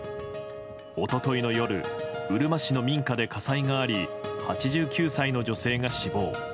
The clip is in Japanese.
一昨日の夜うるま市の民家で火災があり８９歳の女性が死亡。